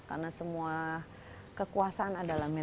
karena semua kekuasaan adalah mereka